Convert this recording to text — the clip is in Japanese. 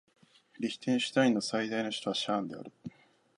リヒテンシュタインの最大都市はシャーンである